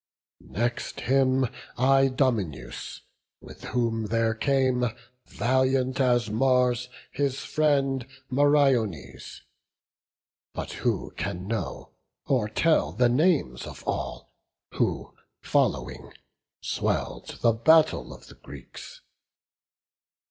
Next him Idomeneus, with whom there came, Valiant as Mars, his friend Meriones. But who can know or tell the names of all, Who, following, swell'd the battle of the Greeks?